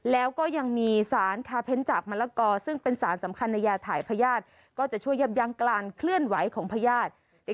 แล้วก็ยังมีสารคาเพ้นจากมะละกอซึ่งเป็นสารสำคัญในยาถ่ายพญาติก็จะช่วยยับยั้งการเคลื่อนไหวของพญาติ